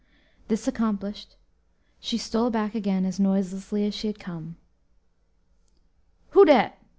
This accomplished, she stole back again as noiselessly as she had come. "Who dat?"